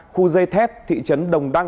khu dây thép thị trấn đồng đăng